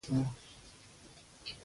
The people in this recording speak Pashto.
هر ناڅاپي برید ته تیار واوسي پوه شوې!.